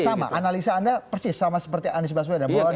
sama analisa anda persis sama seperti anies baswedan